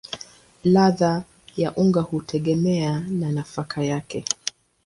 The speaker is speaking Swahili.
Ladha ya unga hutegemea na nafaka yake.